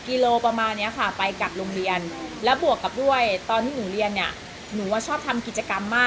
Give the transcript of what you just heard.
หลังเลิกเรียนหรือพักตั้งวันนะคะ